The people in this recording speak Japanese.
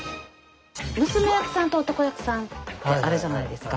娘役さんと男役さんってあるじゃないですか。